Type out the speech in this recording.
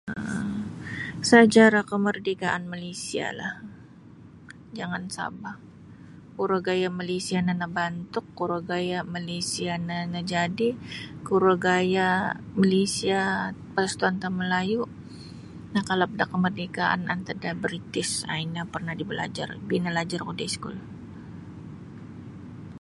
um Sejarah kemerdekaan Malaysialah jangan Sabah kuro gaya' Malaysia no nabantuk kuro gaya' Malaysia no najadi kuro gaya' Malaysia um Persekutuan Tanah Melayu nakalap da kemerdekaan antad da British um ino parnah dibalajar pinalajarku da iskul.